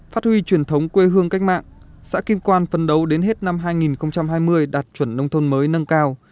phát huy truyền thống quê hương cách mạng xã kim quan phân đấu đến hết năm hai nghìn hai mươi đạt chuẩn nông thôn mới nâng cao